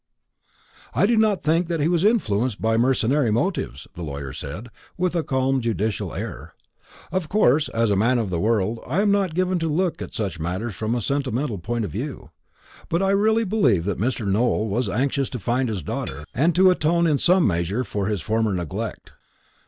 "I do not think that he was influenced by mercenary motives," the lawyer said, with a calm judicial air. "Of course, as a man of the world, I am not given to look at such matters from a sentimental point of view. But I really believe that Mr. Nowell was anxious to find his daughter, and to atone in some measure for his former neglect."